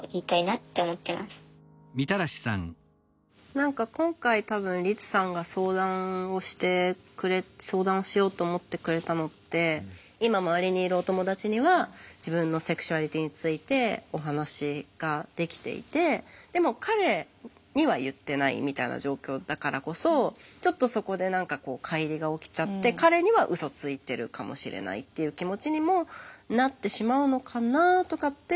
何か今回多分リツさんが相談をしてくれ相談をしようと思ってくれたのって今周りにいるお友達には自分のセクシュアリティーについてお話ができていてでも彼には言ってないみたいな状況だからこそちょっとそこで何かかい離が起きちゃって彼にはうそついてるかもしれないっていう気持ちにもなってしまうのかなとかって